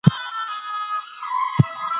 دولتي دېوان سالاري يا بروکراسي يوه پېچلې پروسه ده.